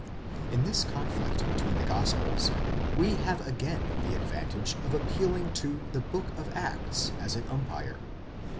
In this conflict between the gospels, we have again the advantage of appealing to the Book of Acts as an umpire.